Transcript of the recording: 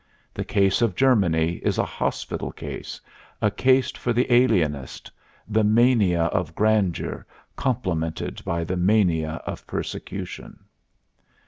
The case of Germany is a hospital case, a case for the alienist; the mania of grandeur, complemented by the mania of persecution.